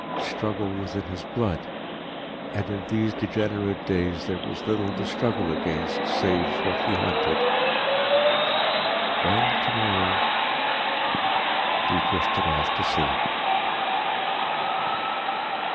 Struggle was in his blood, and in these degenerate days there was little to struggle against save what he hunted. Well tomorrow he drifted off to sleep.